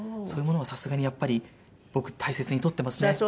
そういうものはさすがにやっぱり僕大切に取ってますね。